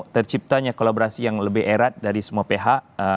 terciptanya kolaborasi yang lebih erat dari semua pihak